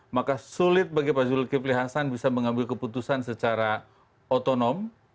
maka sulit bagi pak zulkifli hasan bisa mengambil keputusan secara otonom